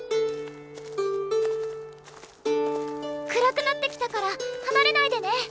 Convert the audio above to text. くらくなってきたからはなれないでね。